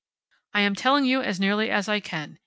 "I am telling you as nearly as I can.